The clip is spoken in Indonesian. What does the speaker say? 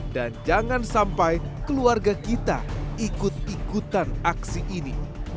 dan jangan sampai keluarga kita ikut ikutan aksi ini